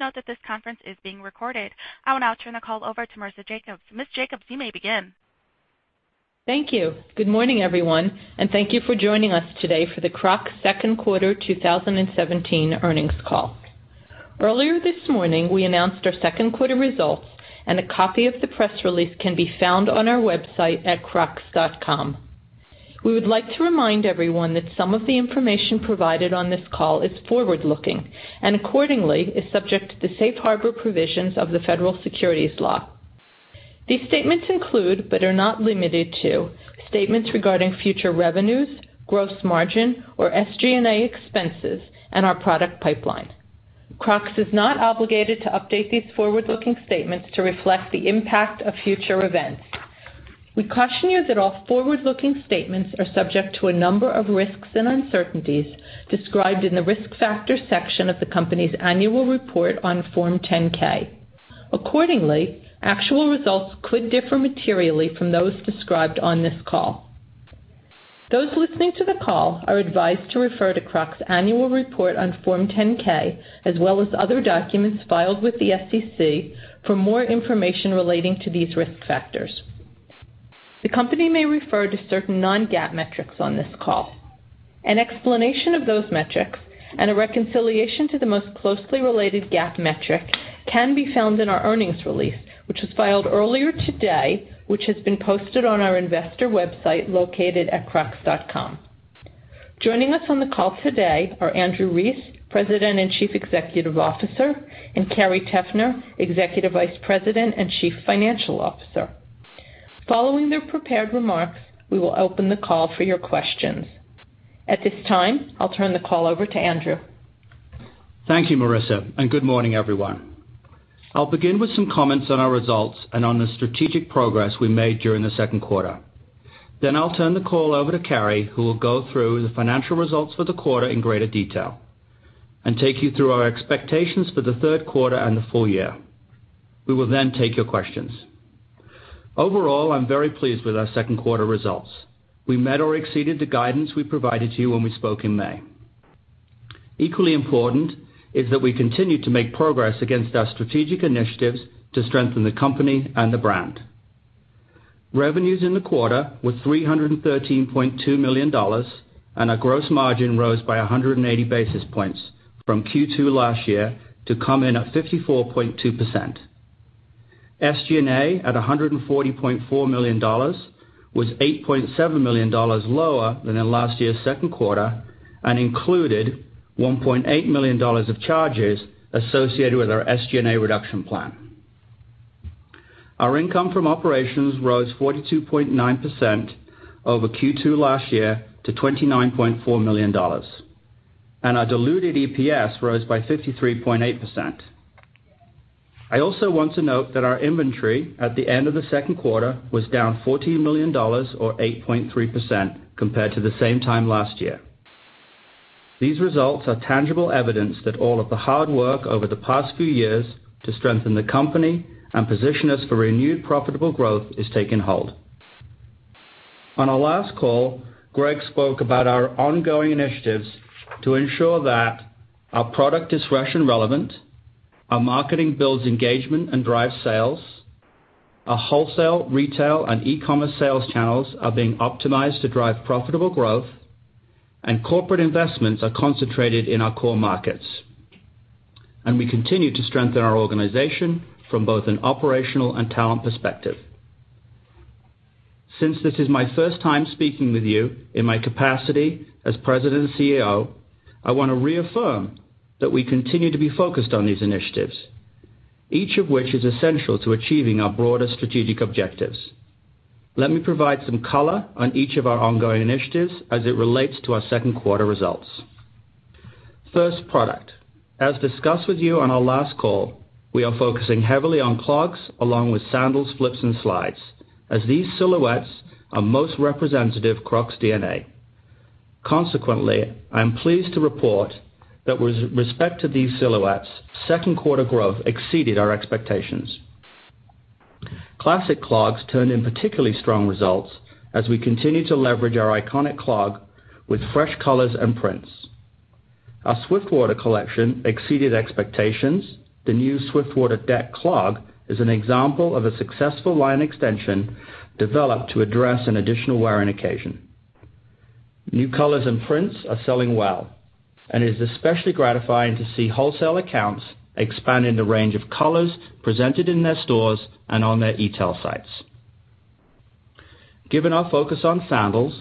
Please note that this conference is being recorded. I will now turn the call over to Marisa Jacobs. Ms. Jacobs, you may begin. Thank you. Good morning, everyone, and thank you for joining us today for the Crocs second quarter 2017 earnings call. Earlier this morning, we announced our second quarter results. A copy of the press release can be found on our website at crocs.com. We would like to remind everyone that some of the information provided on this call is forward-looking, and accordingly, is subject to the safe harbor provisions of the Federal Securities Law. These statements include, but are not limited to, statements regarding future revenues, gross margin, or SG&A expenses, and our product pipeline. Crocs is not obligated to update these forward-looking statements to reflect the impact of future events. We caution you that all forward-looking statements are subject to a number of risks and uncertainties described in the Risk Factors section of the company's annual report on Form 10-K. Accordingly, actual results could differ materially from those described on this call. Those listening to the call are advised to refer to Crocs' annual report on Form 10-K, as well as other documents filed with the SEC for more information relating to these risk factors. The company may refer to certain non-GAAP metrics on this call. An explanation of those metrics and a reconciliation to the most closely related GAAP metric can be found in our earnings release, which was filed earlier today, which has been posted on our investor website located at crocs.com. Joining us on the call today are Andrew Rees, President and Chief Executive Officer, and Carrie Teffner, Executive Vice President and Chief Financial Officer. Following their prepared remarks, we will open the call for your questions. At this time, I'll turn the call over to Andrew. Thank you, Marisa. Good morning, everyone. I'll begin with some comments on our results and on the strategic progress we made during the second quarter. I'll turn the call over to Carrie, who will go through the financial results for the quarter in greater detail and take you through our expectations for the third quarter and the full year. We will take your questions. Overall, I'm very pleased with our second quarter results. We met or exceeded the guidance we provided to you when we spoke in May. Equally important is that we continue to make progress against our strategic initiatives to strengthen the company and the brand. Revenues in the quarter were $313.2 million, and our gross margin rose by 180 basis points from Q2 last year to come in at 54.2%. SG&A, at $140.4 million, was $8.7 million lower than in last year's second quarter and included $1.8 million of charges associated with our SG&A reduction plan. Our income from operations rose 42.9% over Q2 last year to $29.4 million, and our diluted EPS rose by 53.8%. I also want to note that our inventory at the end of the second quarter was down $14 million, or 8.3%, compared to the same time last year. These results are tangible evidence that all of the hard work over the past few years to strengthen the company and position us for renewed profitable growth is taking hold. On our last call, Gregg spoke about our ongoing initiatives to ensure that our product is fresh and relevant, our marketing builds engagement and drives sales, our wholesale, retail, and e-commerce sales channels are being optimized to drive profitable growth, and corporate investments are concentrated in our core markets. We continue to strengthen our organization from both an operational and talent perspective. Since this is my first time speaking with you in my capacity as President and CEO, I want to reaffirm that we continue to be focused on these initiatives, each of which is essential to achieving our broader strategic objectives. Let me provide some color on each of our ongoing initiatives as it relates to our second quarter results. First, product. As discussed with you on our last call, we are focusing heavily on clogs, along with sandals, flips, and slides, as these silhouettes are most representative of Crocs DNA. Consequently, I am pleased to report that with respect to these silhouettes, second quarter growth exceeded our expectations. Classic clogs turned in particularly strong results as we continue to leverage our iconic clog with fresh colors and prints. Our Swiftwater collection exceeded expectations. The new Swiftwater Deck Clog is an example of a successful line extension developed to address an additional wearing occasion. New colors and prints are selling well, and it is especially gratifying to see wholesale accounts expanding the range of colors presented in their stores and on their e-tail sites. Given our focus on sandals,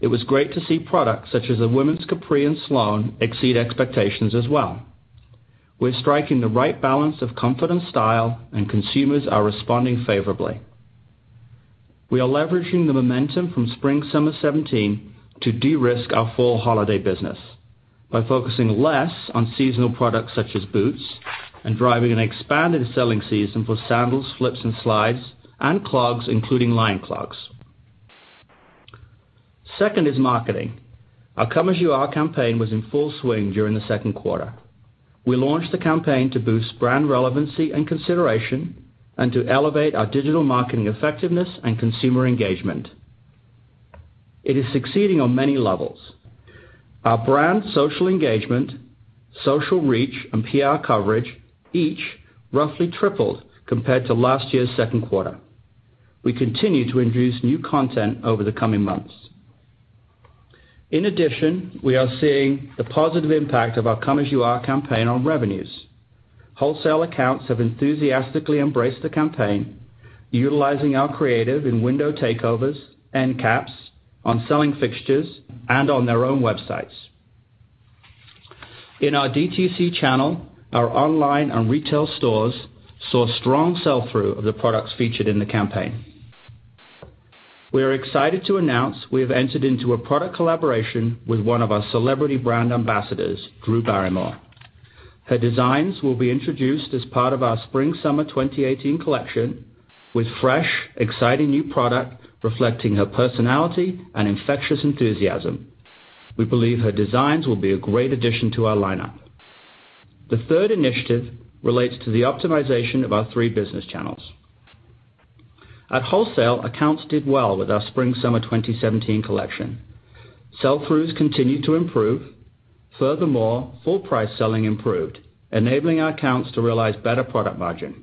it was great to see products such as the women's Capri and Sloane exceed expectations as well. We're striking the right balance of comfort and style, and consumers are responding favorably. We are leveraging the momentum from spring/summer 2017 to de-risk our fall holiday business by focusing less on seasonal products such as boots and driving an expanded selling season for sandals, flips, and slides, and clogs, including Lined Clogs. Second is marketing. Our Come As You Are campaign was in full swing during the second quarter. We launched the campaign to boost brand relevancy and consideration and to elevate our digital marketing effectiveness and consumer engagement. It is succeeding on many levels. Our brand social engagement, social reach, and PR coverage each roughly tripled compared to last year's second quarter. We continue to introduce new content over the coming months. In addition, we are seeing the positive impact of our Come As You Are campaign on revenues. Wholesale accounts have enthusiastically embraced the campaign, utilizing our creative in window takeovers, end caps, on selling fixtures, and on their own websites. In our DTC channel, our online and retail stores saw strong sell-through of the products featured in the campaign. We are excited to announce we have entered into a product collaboration with one of our celebrity brand ambassadors, Drew Barrymore. Her designs will be introduced as part of our spring/summer 2018 collection, with fresh, exciting new product reflecting her personality and infectious enthusiasm. We believe her designs will be a great addition to our lineup. The third initiative relates to the optimization of our three business channels. At wholesale, accounts did well with our spring/summer 2017 collection. Sell-throughs continued to improve. Furthermore, full price selling improved, enabling our accounts to realize better product margin.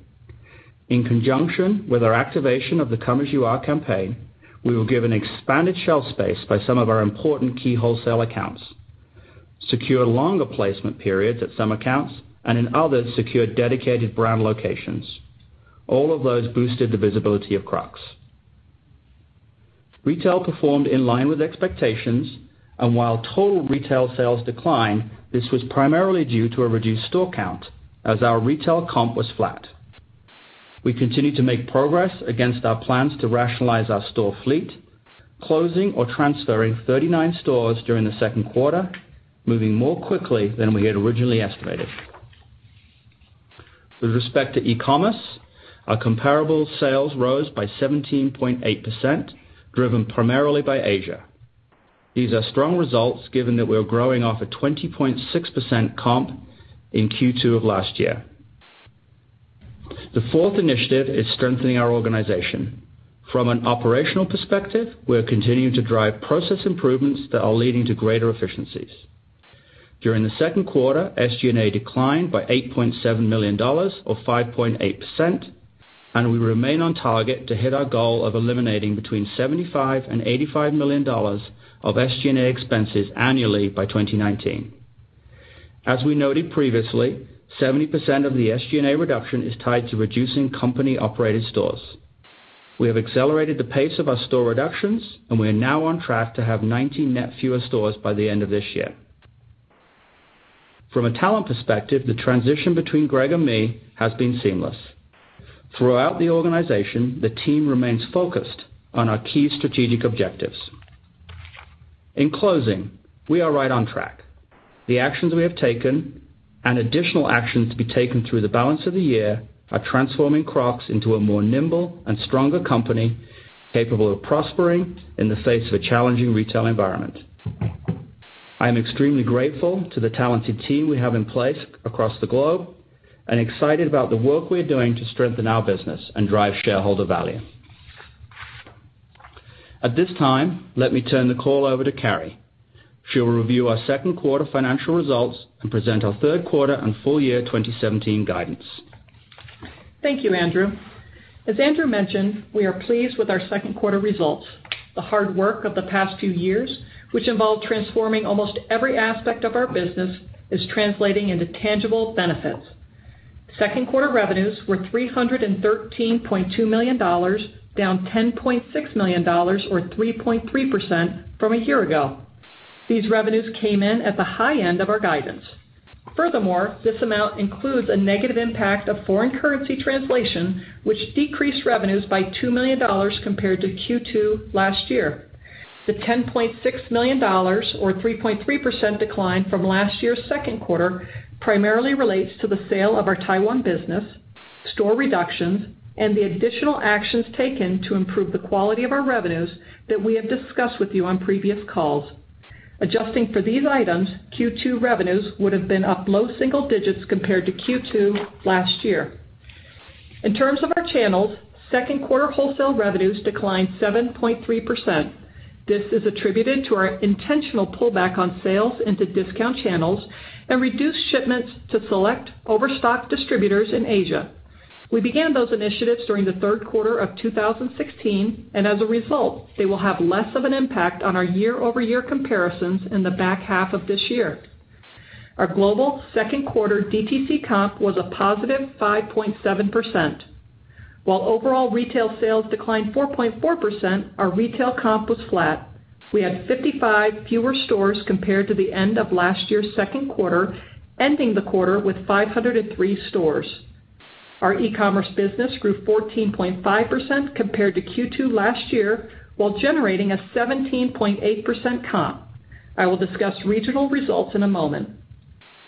In conjunction with our activation of the Come As You Are campaign, we were given expanded shelf space by some of our important key wholesale accounts, secured longer placement periods at some accounts, and in others, secured dedicated brand locations. All of those boosted the visibility of Crocs. Retail performed in line with expectations, and while total retail sales declined, this was primarily due to a reduced store count, as our retail comp was flat. We continue to make progress against our plans to rationalize our store fleet, closing or transferring 39 stores during the second quarter, moving more quickly than we had originally estimated. With respect to e-commerce, our comparable sales rose by 17.8%, driven primarily by Asia. These are strong results given that we are growing off a 20.6% comp in Q2 of last year. The fourth initiative is strengthening our organization. From an operational perspective, we are continuing to drive process improvements that are leading to greater efficiencies. During the second quarter, SG&A declined by $8.7 million, or 5.8%, and we remain on target to hit our goal of eliminating between $75 million-$85 million of SG&A expenses annually by 2019. As we noted previously, 70% of the SG&A reduction is tied to reducing company-operated stores. We have accelerated the pace of our store reductions, and we are now on track to have 90 net fewer stores by the end of this year. From a talent perspective, the transition between Gregg and me has been seamless. Throughout the organization, the team remains focused on our key strategic objectives. In closing, we are right on track. The actions we have taken and additional actions to be taken through the balance of the year are transforming Crocs into a more nimble and stronger company capable of prospering in the face of a challenging retail environment. I am extremely grateful to the talented team we have in place across the globe, and excited about the work we are doing to strengthen our business and drive shareholder value. At this time, let me turn the call over to Carrie. She will review our second quarter financial results and present our third quarter and full year 2017 guidance. Thank you, Andrew. As Andrew mentioned, we are pleased with our second quarter results. The hard work of the past few years, which involved transforming almost every aspect of our business, is translating into tangible benefits. Second quarter revenues were $313.2 million, down $10.6 million, or 3.3%, from a year ago. These revenues came in at the high end of our guidance. Furthermore, this amount includes a negative impact of foreign currency translation, which decreased revenues by $2 million compared to Q2 last year. The $10.6 million, or 3.3%, decline from last year's second quarter primarily relates to the sale of our Taiwan business, store reductions, and the additional actions taken to improve the quality of our revenues that we have discussed with you on previous calls. Adjusting for these items, Q2 revenues would have been up low single digits compared to Q2 last year. In terms of our channels, second quarter wholesale revenues declined 7.3%. This is attributed to our intentional pullback on sales into discount channels and reduced shipments to select overstock distributors in Asia. We began those initiatives during the third quarter of 2016, and as a result, they will have less of an impact on our year-over-year comparisons in the back half of this year. Our global second quarter DTC comp was a positive 5.7%. While overall retail sales declined 4.4%, our retail comp was flat. We had 55 fewer stores compared to the end of last year's second quarter, ending the quarter with 503 stores. Our e-commerce business grew 14.5% compared to Q2 last year while generating a 17.8% comp. I will discuss regional results in a moment.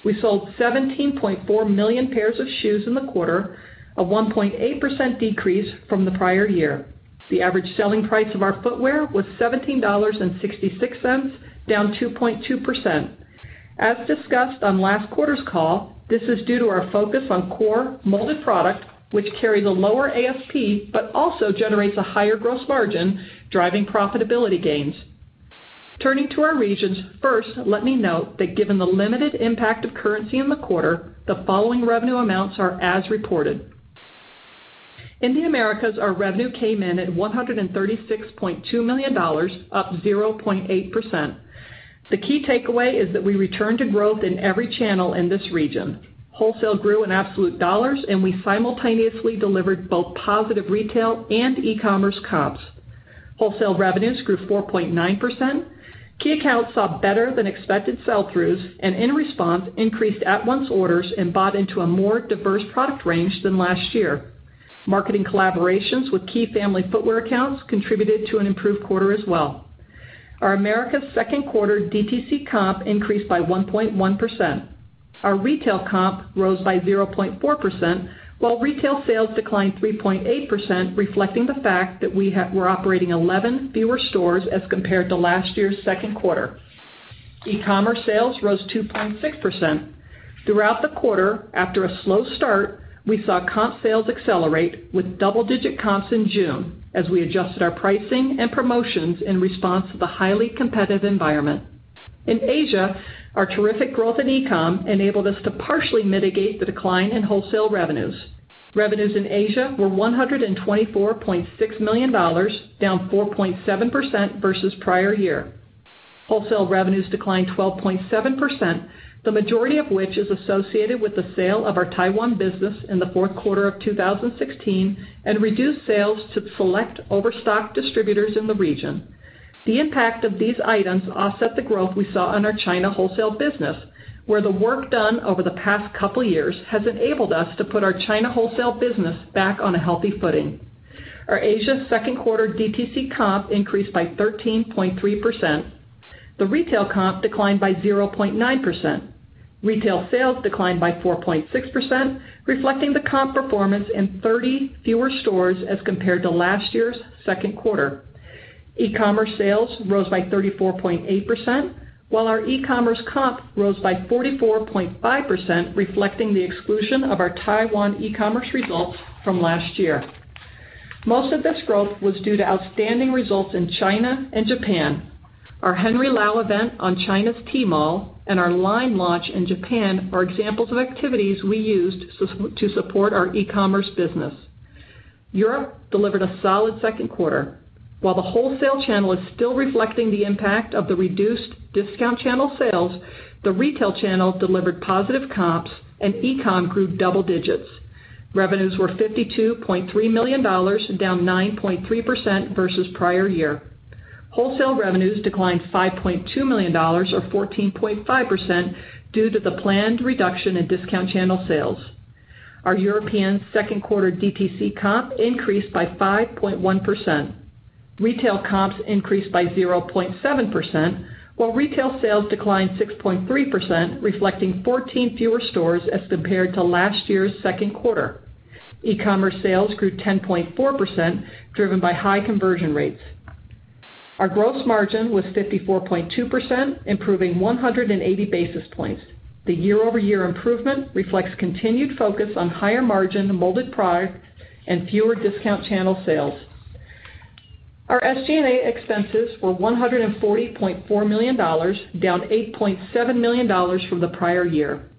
We sold 17.4 million pairs of shoes in the quarter, a 1.8% decrease from the prior year. The average selling price of our footwear was $17.66, down 2.2%. As discussed on last quarter's call, this is due to our focus on core molded product, which carries a lower ASP, but also generates a higher gross margin, driving profitability gains. Turning to our regions, first, let me note that given the limited impact of currency in the quarter, the following revenue amounts are as reported. In the Americas, our revenue came in at $136.2 million, up 0.8%. The key takeaway is that we returned to growth in every channel in this region. Wholesale grew in absolute dollars, and we simultaneously delivered both positive retail and e-commerce comps. Wholesale revenues grew 4.9%. Key accounts saw better than expected sell-throughs, and in response, increased at-once orders and bought into a more diverse product range than last year. Marketing collaborations with key family footwear accounts contributed to an improved quarter as well. Our Americas second quarter DTC comp increased by 1.1%. Our retail comp rose by 0.4%, while retail sales declined 3.8%, reflecting the fact that we're operating 11 fewer stores as compared to last year's second quarter. E-commerce sales rose 2.6%. Throughout the quarter, after a slow start, we saw comp sales accelerate with double-digit comps in June as we adjusted our pricing and promotions in response to the highly competitive environment. In Asia, our terrific growth in e-com enabled us to partially mitigate the decline in wholesale revenues. Revenues in Asia were $124.6 million, down 4.7% versus prior year. Wholesale revenues declined 12.7%, the majority of which is associated with the sale of our Taiwan business in the fourth quarter of 2016 and reduced sales to select overstock distributors in the region. The impact of these items offset the growth we saw in our China wholesale business, where the work done over the past couple years has enabled us to put our China wholesale business back on a healthy footing. Our Asia second quarter DTC comp increased by 13.3%. The retail comp declined by 0.9%. Retail sales declined by 4.6%, reflecting the comp performance in 30 fewer stores as compared to last year's second quarter. e-commerce sales rose by 34.8%, while our e-commerce comp rose by 44.5%, reflecting the exclusion of our Taiwan e-commerce results from last year. Most of this growth was due to outstanding results in China and Japan. Our Henry Lau event on China's Tmall and our line launch in Japan are examples of activities we used to support our e-commerce business. Europe delivered a solid second quarter. While the wholesale channel is still reflecting the impact of the reduced discount channel sales, the retail channel delivered positive comps and e-com grew double digits. Revenues were $52.3 million, down 9.3% versus prior year. Wholesale revenues declined $5.2 million, or 14.5%, due to the planned reduction in discount channel sales. Our European second quarter DTC comp increased by 5.1%. Retail comps increased by 0.7%, while retail sales declined 6.3%, reflecting 14 fewer stores as compared to last year's second quarter. e-commerce sales grew 10.4%, driven by high conversion rates. Our gross margin was 54.2%, improving 180 basis points. The year-over-year improvement reflects continued focus on higher margin molded product and fewer discount channel sales. Our SG&A expenses were $140.4 million, down $8.7 million from the prior year.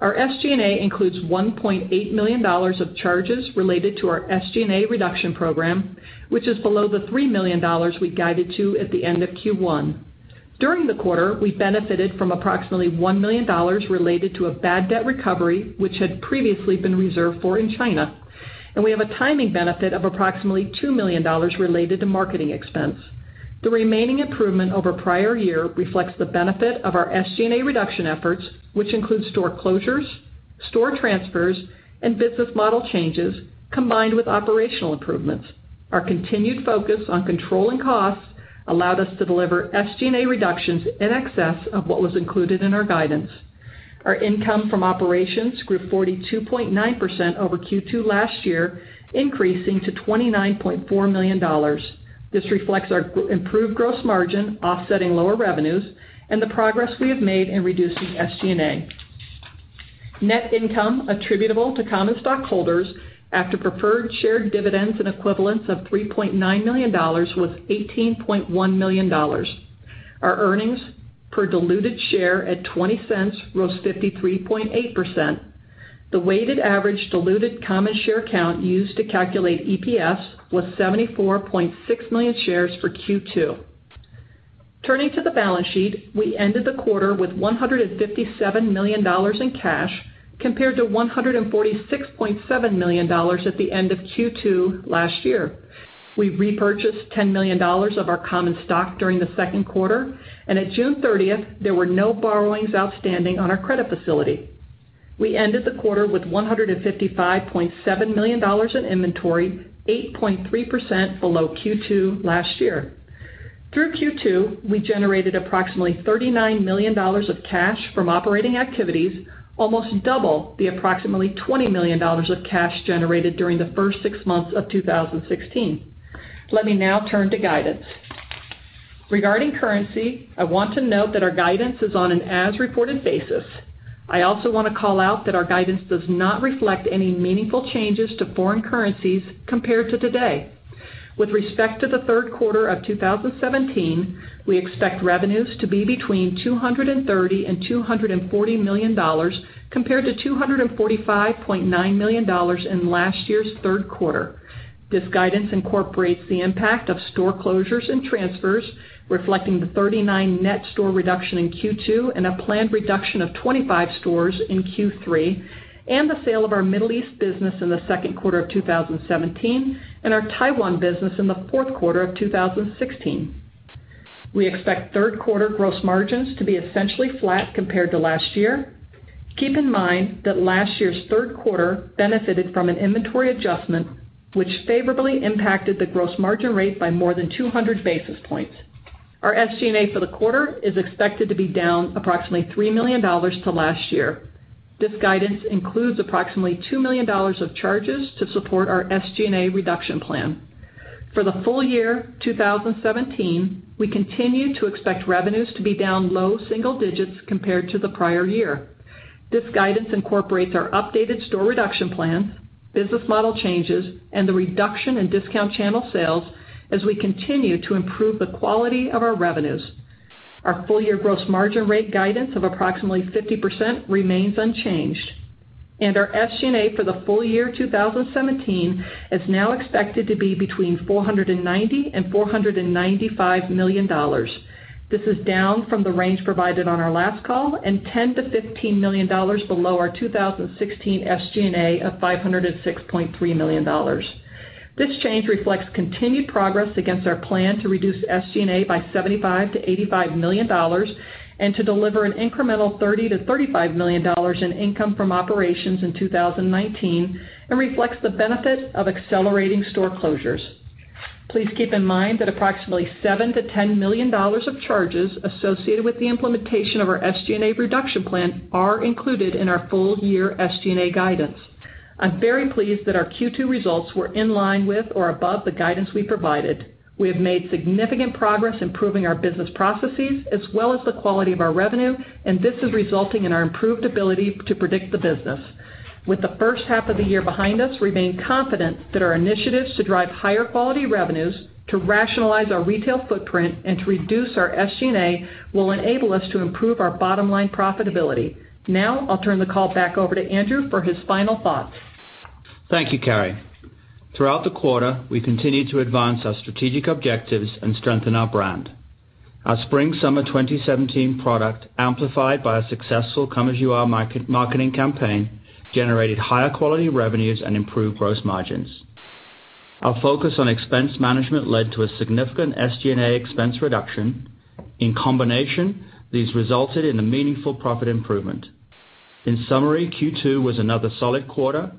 Our SG&A includes $1.8 million of charges related to our SG&A reduction program, which is below the $3 million we guided to at the end of Q1. During the quarter, we benefited from approximately $1 million related to a bad debt recovery, which had previously been reserved for in China, and we have a timing benefit of approximately $2 million related to marketing expense. The remaining improvement over prior year reflects the benefit of our SG&A reduction efforts, which include store closures, store transfers, and business model changes, combined with operational improvements. Our continued focus on controlling costs allowed us to deliver SG&A reductions in excess of what was included in our guidance. Our income from operations grew 42.9% over Q2 last year, increasing to $29.4 million. This reflects our improved gross margin offsetting lower revenues and the progress we have made in reducing SG&A. Net income attributable to common stockholders after preferred share dividends and equivalents of $3.9 million was $18.1 million. Our earnings per diluted share at $0.20 rose 53.8%. The weighted average diluted common share count used to calculate EPS was 74.6 million shares for Q2. Turning to the balance sheet, we ended the quarter with $157 million in cash compared to $146.7 million at the end of Q2 last year. We repurchased $10 million of our common stock during the second quarter, and at June 30th, there were no borrowings outstanding on our credit facility. We ended the quarter with $155.7 million in inventory, 8.3% below Q2 last year. Through Q2, we generated approximately $39 million of cash from operating activities, almost double the approximately $20 million of cash generated during the first six months of 2016. Let me now turn to guidance. Regarding currency, I want to note that our guidance is on an as-reported basis. I also want to call out that our guidance does not reflect any meaningful changes to foreign currencies compared to today. With respect to the third quarter of 2017, we expect revenues to be between $230 million and $240 million, compared to $245.9 million in last year's third quarter. This guidance incorporates the impact of store closures and transfers, reflecting the 39 net store reduction in Q2 and a planned reduction of 25 stores in Q3, and the sale of our Middle East business in the second quarter of 2017, and our Taiwan business in the fourth quarter of 2016. We expect third quarter gross margins to be essentially flat compared to last year. Keep in mind that last year's third quarter benefited from an inventory adjustment, which favorably impacted the gross margin rate by more than 200 basis points. Our SG&A for the quarter is expected to be down approximately $3 million to last year. This guidance includes approximately $2 million of charges to support our SG&A reduction plan. For the full year 2017, we continue to expect revenues to be down low single digits compared to the prior year. This guidance incorporates our updated store reduction plans, business model changes, and the reduction in discount channel sales as we continue to improve the quality of our revenues. Our full year gross margin rate guidance of approximately 50% remains unchanged. Our SG&A for the full year 2017 is now expected to be between $490 million and $495 million. This is down from the range provided on our last call and $10 million-$15 million below our 2016 SG&A of $506.3 million. This change reflects continued progress against our plan to reduce SG&A by $75 million-$85 million and to deliver an incremental $30 million-$35 million in income from operations in 2019, and reflects the benefit of accelerating store closures. Please keep in mind that approximately $7 million-$10 million of charges associated with the implementation of our SG&A reduction plan are included in our full year SG&A guidance. I'm very pleased that our Q2 results were in line with or above the guidance we provided. We have made significant progress improving our business processes as well as the quality of our revenue, and this is resulting in our improved ability to predict the business. With the first half of the year behind us, we remain confident that our initiatives to drive higher quality revenues, to rationalize our retail footprint, and to reduce our SG&A will enable us to improve our bottom-line profitability. Now, I'll turn the call back over to Andrew for his final thoughts. Thank you, Carrie. Throughout the quarter, we continued to advance our strategic objectives and strengthen our brand. Our spring/summer 2017 product, amplified by a successful Come As You Are marketing campaign, generated higher quality revenues and improved gross margins. Our focus on expense management led to a significant SGA expense reduction. In combination, these resulted in a meaningful profit improvement. In summary, Q2 was another solid quarter,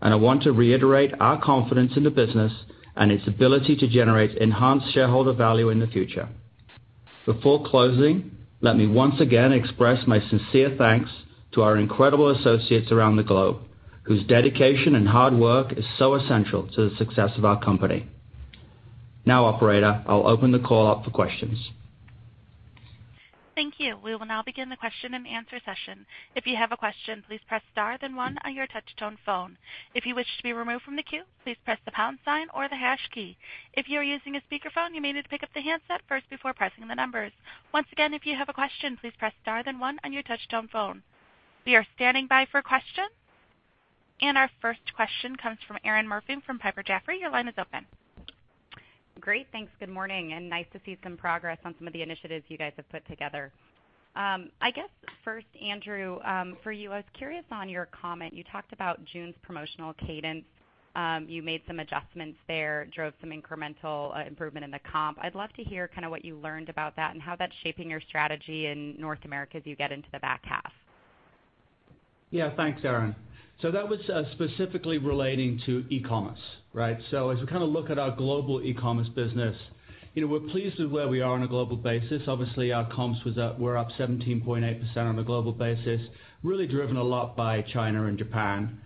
and I want to reiterate our confidence in the business and its ability to generate enhanced shareholder value in the future. Before closing, let me once again express my sincere thanks to our incredible associates around the globe, whose dedication and hard work is so essential to the success of our company. Operator, I'll open the call up for questions. Thank you. We will now begin the question and answer session. If you have a question, please press star then one on your touch tone phone. If you wish to be removed from the queue, please press the pound sign or the hash key. If you are using a speakerphone, you may need to pick up the handset first before pressing the numbers. Once again, if you have a question, please press star then one on your touch tone phone. We are standing by for questions. Our first question comes from Erinn Murphy from Piper Jaffray. Your line is open. Great. Thanks. Good morning, nice to see some progress on some of the initiatives you guys have put together. Andrew, for you, I was curious on your comment. You talked about June's promotional cadence. You made some adjustments there, drove some incremental improvement in the comp. I'd love to hear what you learned about that and how that's shaping your strategy in North America as you get into the back half. Thanks, Erinn. That was specifically relating to e-commerce, right? As we look at our global e-commerce business, we're pleased with where we are on a global basis. Obviously, our comps were up 17.8% on a global basis, really driven a lot by China and Japan.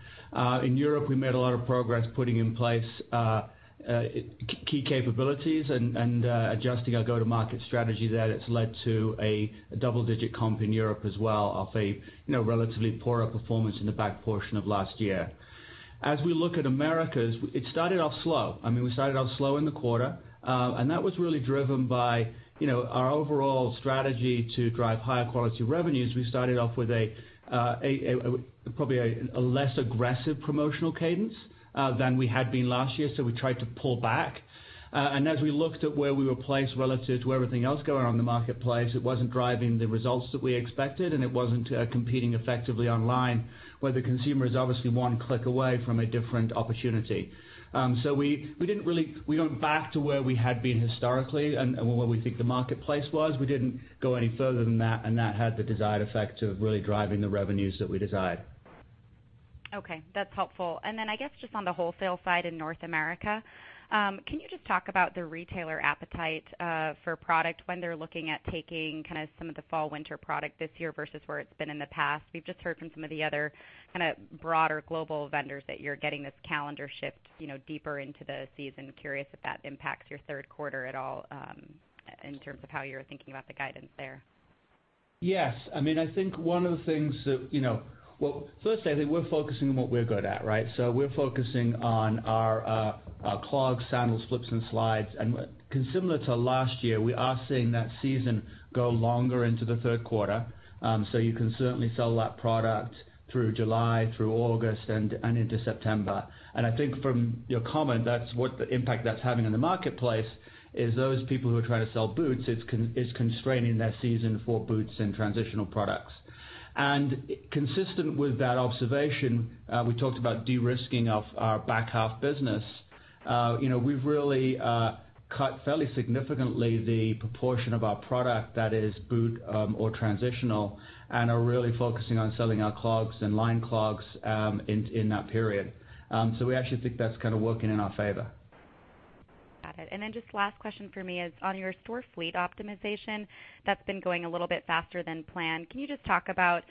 In Europe, we made a lot of progress putting in place key capabilities and adjusting our go-to-market strategy there that's led to a double-digit comp in Europe as well off a relatively poorer performance in the back portion of last year. As we look at Americas, it started off slow. We started off slow in the quarter, that was really driven by our overall strategy to drive higher quality revenues. We started off with probably a less aggressive promotional cadence than we had been last year, we tried to pull back. As we looked at where we were placed relative to everything else going on in the marketplace, it wasn't driving the results that we expected, and it wasn't competing effectively online, where the consumer is obviously one click away from a different opportunity. We went back to where we had been historically and where we think the marketplace was. We didn't go any further than that, and that had the desired effect of really driving the revenues that we desired. Okay. That's helpful. I guess just on the wholesale side in North America, can you just talk about the retailer appetite for product when they're looking at taking some of the fall/winter product this year versus where it's been in the past? We've just heard from some of the other broader global vendors that you're getting this calendar shift deeper into the season. Curious if that impacts your third quarter at all in terms of how you're thinking about the guidance there. Yes. Well, firstly, I think we're focusing on what we're good at, right? We're focusing on our clogs, sandals, flips, and slides. Similar to last year, we are seeing that season go longer into the third quarter. You can certainly sell that product through July, through August, and into September. I think from your comment, that's what the impact that's having on the marketplace is those people who are trying to sell boots, it's constraining their season for boots and transitional products. Consistent with that observation, we talked about de-risking of our back half business. We've really cut fairly significantly the proportion of our product that is boot or transitional, and are really focusing on selling our clogs and Lined Clogs in that period. We actually think that's kind of working in our favor. Got it. Just last question for me is on your store fleet optimization, that's been going a little bit faster than planned. Can you just talk about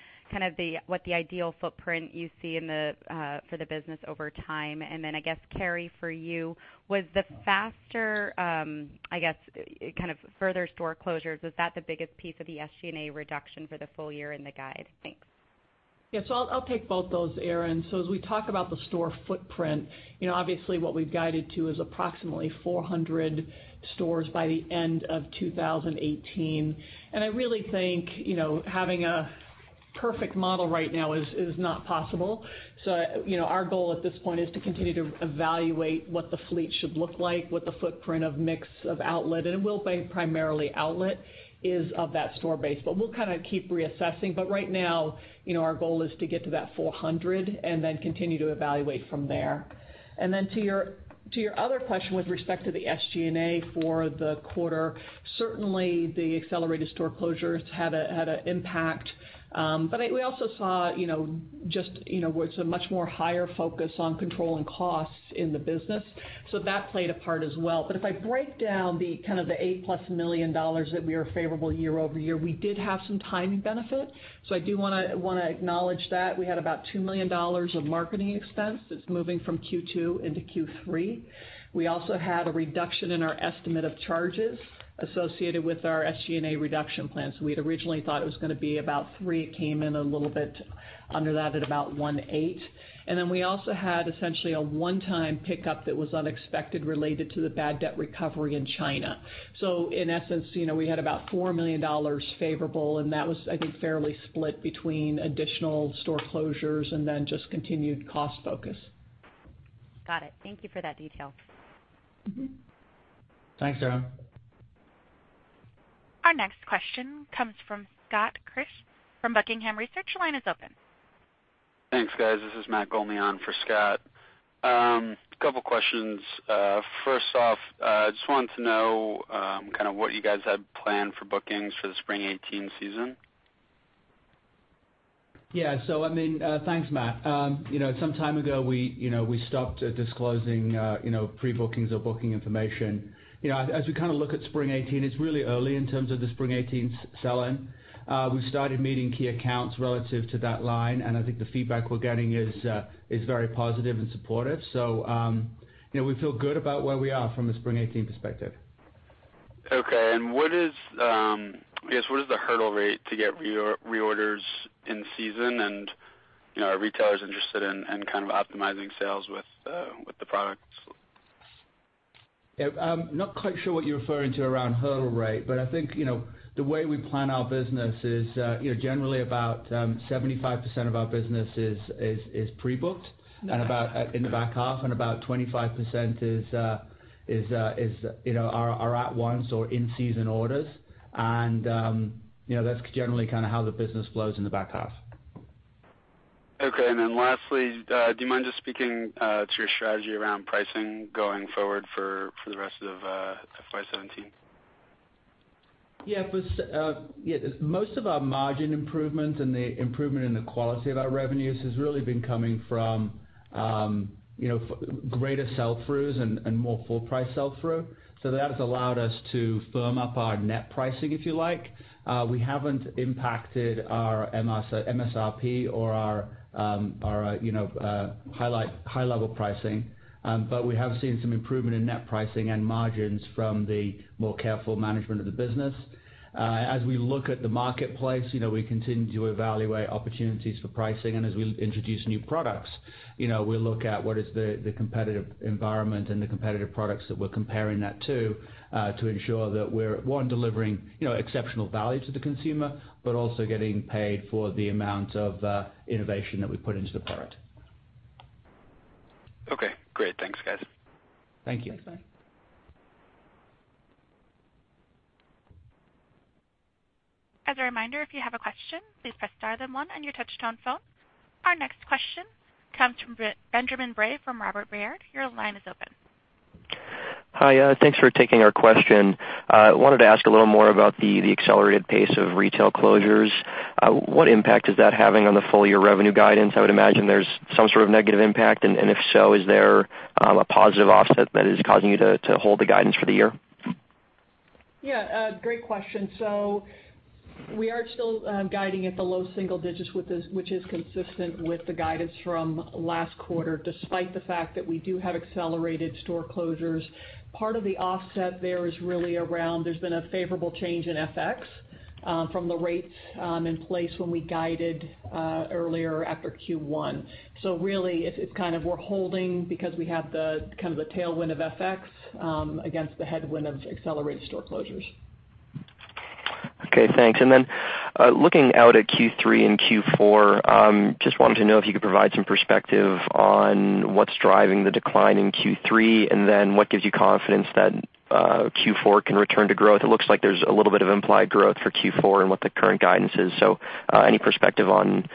what the ideal footprint you see for the business over time? Then, I guess, Carrie, for you, was the faster, further store closures, is that the biggest piece of the SG&A reduction for the full year in the guide? Thanks. I'll take both those, Erinn. As we talk about the store footprint, obviously what we've guided to is approximately 400 stores by the end of 2018. I really think, having a perfect model right now is not possible. Our goal at this point is to continue to evaluate what the fleet should look like, what the footprint of mix of outlet, and it will be primarily outlet, is of that store base. We'll kind of keep reassessing, but right now, our goal is to get to that 400 and then continue to evaluate from there. To your other question with respect to the SG&A for the quarter, certainly the accelerated store closures had an impact. We also saw just where it's a much more higher focus on controlling costs in the business. That played a part as well. If I break down the $8-plus million that we are favorable year-over-year, we did have some timing benefit, so I do want to acknowledge that. We had about $2 million of marketing expense that's moving from Q2 into Q3. We also had a reduction in our estimate of charges associated with our SG&A reduction plan. We'd originally thought it was going to be about three. It came in a little bit under that, at about 1.8. We also had essentially a one-time pickup that was unexpected related to the bad debt recovery in China. In essence, we had about $4 million favorable, and that was, I think, fairly split between additional store closures and then just continued cost focus. Got it. Thank you for that detail. Thanks, Erinn. Our next question comes from Scott Krasik from Buckingham Research. Your line is open. Thanks, guys. This is Matt Golman for Scott. Couple questions. First off, I just wanted to know what you guys had planned for bookings for the spring 2018 season. Yeah. Thanks, Matt. Some time ago, we stopped disclosing pre-bookings or booking information. As we look at spring 2018, it's really early in terms of the spring 2018 sell-in. We've started meeting key accounts relative to that line, and I think the feedback we're getting is very positive and supportive. We feel good about where we are from a spring 2018 perspective. Okay. What is the hurdle rate to get reorders in season? Are retailers interested in kind of optimizing sales with the products? Yeah. I'm not quite sure what you're referring to around hurdle rate. I think, the way we plan our business is, generally about 75% of our business is pre-booked in the back half, and about 25% are at once or in-season orders. That's generally how the business flows in the back half. Okay. Lastly, do you mind just speaking to your strategy around pricing going forward for the rest of FY 2017? Yeah. Most of our margin improvements and the improvement in the quality of our revenues has really been coming from greater sell-throughs and more full price sell-through. That has allowed us to firm up our net pricing, if you like. We haven't impacted our MSRP or our high level pricing. We have seen some improvement in net pricing and margins from the more careful management of the business. As we look at the marketplace, we continue to evaluate opportunities for pricing, and as we introduce new products, we look at what is the competitive environment and the competitive products that we're comparing that to ensure that we're, one, delivering exceptional value to the consumer, but also getting paid for the amount of innovation that we put into the product. Okay, great. Thanks, guys. Thank you. Thanks, Matt. As a reminder, if you have a question, please press star then one on your touchtone phone. Our next question comes from Benjamin Bray from Robert Baird. Your line is open. Hi. Thanks for taking our question. I wanted to ask a little more about the accelerated pace of retail closures. What impact is that having on the full-year revenue guidance? I would imagine there's some sort of negative impact, and if so, is there a positive offset that is causing you to hold the guidance for the year? Yeah, great question. We are still guiding at the low single digits, which is consistent with the guidance from last quarter, despite the fact that we do have accelerated store closures. Part of the offset there is really around, there's been a favorable change in FX from the rates in place when we guided earlier after Q1. Really, it's kind of we're holding because we have the tailwind of FX against the headwind of accelerated store closures. Okay, thanks. Looking out at Q3 and Q4, just wanted to know if you could provide some perspective on what's driving the decline in Q3, and then what gives you confidence that Q4 can return to growth. It looks like there's a little bit of implied growth for Q4 and what the current guidance is. Any perspective on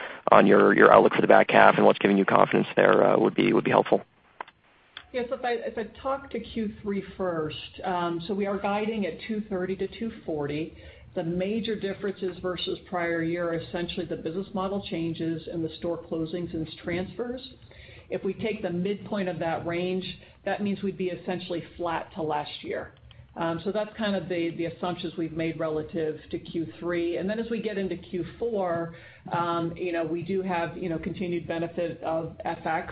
your outlook for the back half and what's giving you confidence there would be helpful. Yeah. If I talk to Q3 first, we are guiding at $230-$240. The major differences versus prior year are essentially the business model changes and the store closings and transfers. If we take the midpoint of that range, that means we'd be essentially flat to last year. That's kind of the assumptions we've made relative to Q3. As we get into Q4, we do have continued benefit of FX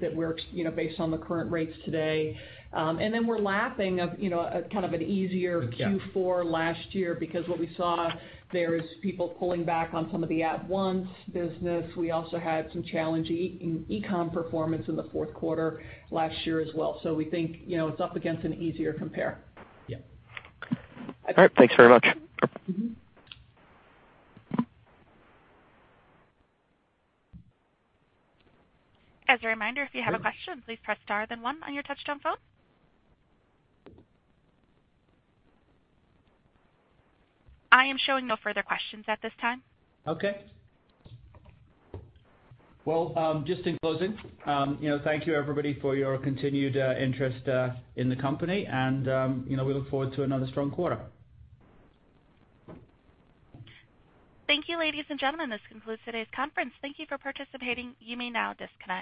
that based on the current rates today. We're lapping kind of an easier Q4 last year because what we saw there is people pulling back on some of the at-once business. We also had some challenging e-com performance in the fourth quarter last year as well. We think it's up against an easier compare. Yeah. All right, thanks very much. As a reminder, if you have a question, please press star then one on your touchtone phone. I am showing no further questions at this time. Okay. Well, just in closing, thank you everybody for your continued interest in the company and we look forward to another strong quarter. Thank you, ladies and gentlemen. This concludes today's conference. Thank you for participating. You may now disconnect.